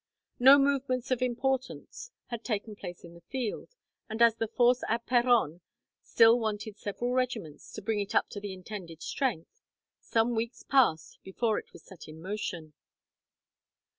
No movements of importance had taken place in the field, and as the force at Peronne still wanted several regiments, to bring it up to the intended strength, some weeks passed before it was set in motion.